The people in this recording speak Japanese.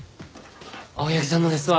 青柳さんのですわ。